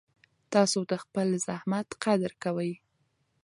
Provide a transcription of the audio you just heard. تاسو د خپل زحمت قدر کوئ.